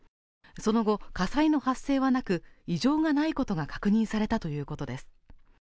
その後、火災の発生はなく、異常がないことが確認されたということです。